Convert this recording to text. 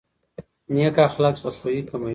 نیک اخلاق بدخويي کموي.